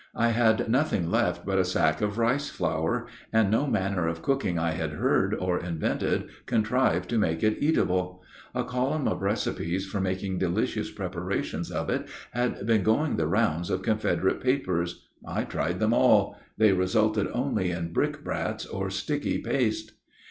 I had nothing left but a sack of rice flour, and no manner of cooking I had heard or invented contrived to make it eatable. A column of recipes for making delicious preparations of it had been going the rounds of Confederate papers. I tried them all; they resulted only in brick bats or sticky paste.